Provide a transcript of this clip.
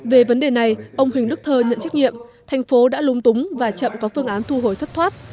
về vấn đề này ông huỳnh đức thơ nhận trách nhiệm thành phố đã lúng túng và chậm có phương án thu hồi thất thoát